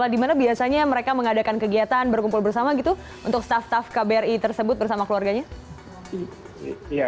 di mana biasanya mereka mengadakan kegiatan berkumpul bersama gitu untuk staf staf kbri tersebut bersama keluarganya